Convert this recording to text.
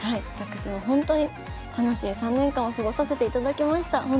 私もほんとに楽しい３年間を過ごさせていただきました。